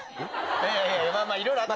いやいや、まあいろいろあった。